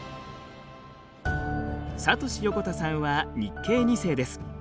サトシ横田さんは日系２世です。